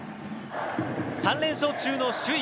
３連勝中の首位